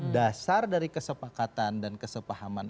dasar dari kesepakatan dan kesepahaman